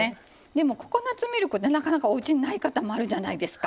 でもココナツミルクってなかなかおうちにない方もあるじゃないですか。